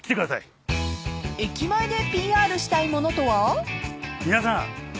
［駅前でＰＲしたいものとは？］